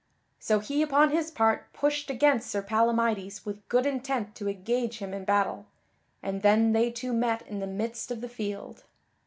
So he upon his part pushed against Sir Palamydes with good intent to engage him in battle, and then they two met in the midst of the field.